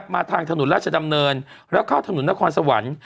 มาทางถนนราชดำเนินแล้วเข้าถนนนครสวรรค์